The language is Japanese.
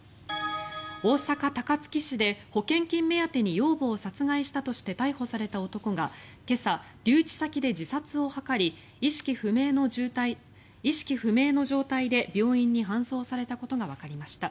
大阪・高槻市で保険金目当てに養母を殺害したとして逮捕された男が今朝、留置先で自殺を図り意識不明の状態で病院に搬送されたことがわかりました。